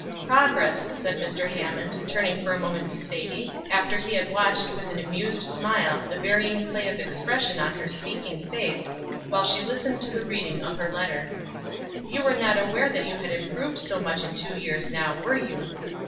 "Progress," said Mr. Hammond, turning for a moment to Sadie, after he had watched with an amused smile the varying play of expression on her speaking face, while she listened to the reading of her letter. "You were not aware that you had improved so much in two years, now, were you?"